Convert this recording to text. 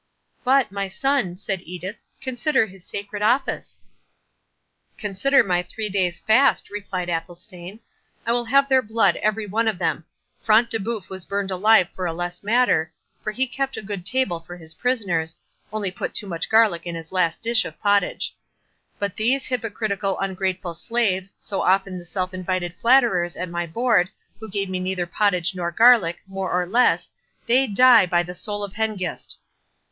"But, my son," said Edith, "consider his sacred office." "Consider my three days' fast," replied Athelstane; "I will have their blood every one of them. Front de Bœuf was burnt alive for a less matter, for he kept a good table for his prisoners, only put too much garlic in his last dish of pottage. But these hypocritical, ungrateful slaves, so often the self invited flatterers at my board, who gave me neither pottage nor garlic, more or less, they die, by the soul of Hengist!"